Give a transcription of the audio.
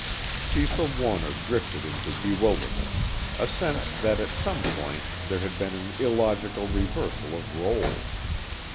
_ Cecil Warner drifted into bewilderment, a sense that at some point there had been an illogical reversal of roles.